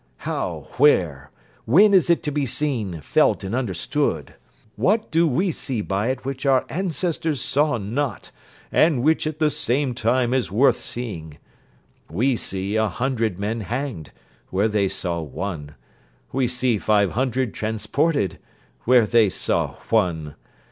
How, where, when is it to be seen, felt, and understood? What do we see by it which our ancestors saw not, and which at the same time is worth seeing? We see a hundred men hanged, where they saw one. We see five hundred transported, where they saw one.